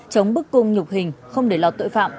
chống bức cung nhục hình không để lọt tội phạm